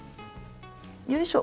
よいしょ。